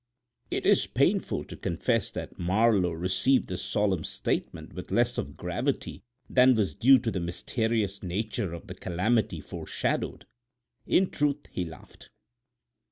It is painful to confess that Marlowe received this solemn statement with less of gravity than was due to the mysterious nature of the calamity foreshadowed. In truth, he laughed.